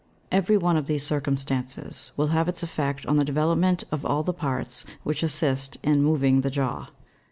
Every one of these circumstances will have its effect on the development of all the parts which assist in moving the jaw.